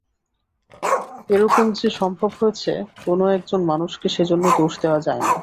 এরকম যে সম্ভব হয়েছে কোনো একজন মানুষকে সেজন্য দোষ দেওয়া যায় না।